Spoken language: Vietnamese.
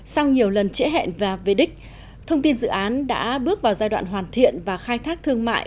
sau nhiều lần trễ hẹn và về đích thông tin dự án đã bước vào giai đoạn hoàn thiện và khai thác thương mại